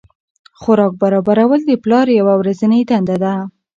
خوراک برابرول د پلار یوه ورځنۍ دنده ده.